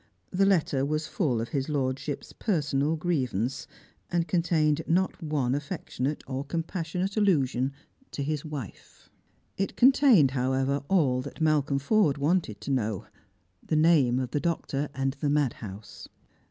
The letter was full of his lordship's personal grievance, and contained not one afiectionate or com passionate allusion to his wife. It contained, however, all that Malcolm Forde wanted to know, the name of the doctor and the madhouse.